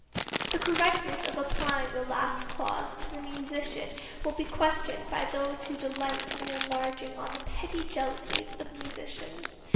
The correctness of applying the last clause to the musician will be questioned by those who delight in enlarging on the petty jealousies of musicians.